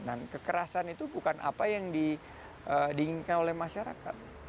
dan kekerasan itu bukan apa yang diinginkan oleh masyarakat